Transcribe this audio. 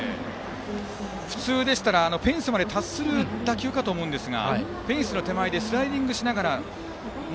普通でしたらフェンスまで達する打球かと思いますがフェンスの手前でスライディングしながら。